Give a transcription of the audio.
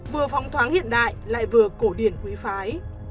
vừa phóng thoáng hiện đại lại vừa cổ điển quý phái